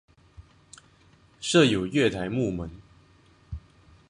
设有月台幕门。